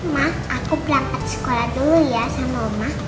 ma aku berangkat sekolah dulu ya sama mama